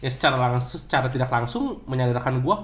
secara tidak langsung menyadarkan gue